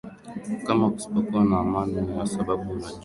kama kusipokuwa na amani kwa sababu unajua hizi ni nchi mbili ambazo